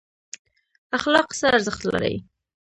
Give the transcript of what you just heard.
اخلاق څه ارزښت لري؟